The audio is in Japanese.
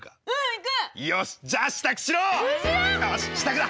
よし支度だ！